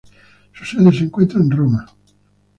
Su sede se encuentra en Roma.